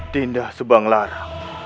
dinda subang lara